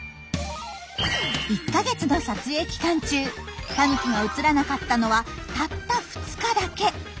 １か月の撮影期間中タヌキが映らなかったのはたった２日だけ。